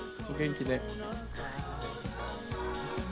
お元気で。